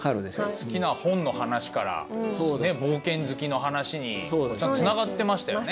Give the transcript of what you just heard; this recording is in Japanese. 好きな本の話から冒険好きの話にちゃんとつながってましたよね。